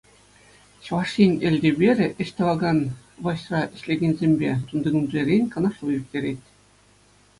Чӑваш Ен Элтеперӗ ӗҫ тӑвакан влаҫра ӗҫлекенсемпе тунтикунсерен канашлу ирттерет.